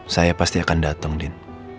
saya pasti akan datang din